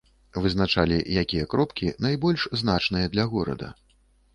Вызначалі, якія кропкі найбольш значныя для горада.